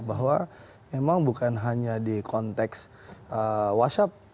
bahwa memang bukan hanya di konteks whatsapp